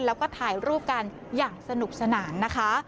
แล้วก็ถ่ายรูปกันอย่างสนุกสนานนะคะ